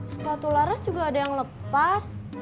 sepatu laras juga ada yang lepas